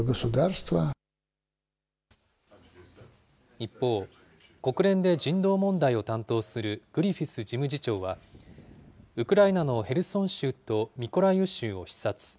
一方、国連で人道問題を担当するグリフィス事務次長は、ウクライナのヘルソン州とミコライウ州を視察。